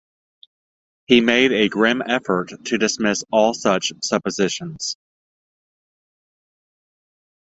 He made a grim effort to dismiss all such suppositions.